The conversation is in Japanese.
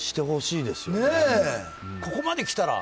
ここまで来たら。